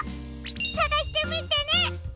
さがしてみてね！